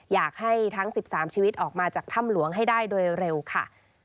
อยากให้ทั้ง๑๓ชีวิตออกมาจากถ้ำหลวงให้ได้โดยเร็วค่ะ